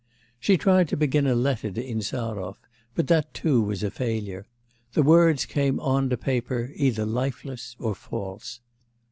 She tried to begin a letter to Insarov, but that too was a failure; the words came on to paper either lifeless or false.